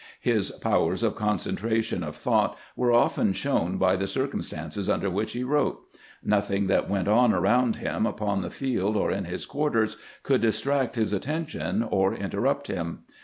His powers of concentration of thought were often shown by the circumstances under which he wrote. Nothing that went on around him, upon the field or in his quarters, could distract his at tention or interrupt him.